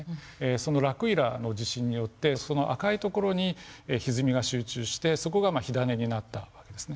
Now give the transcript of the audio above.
そのラクイラの地震によってその赤い所にひずみが集中してそこが火種になった訳ですね。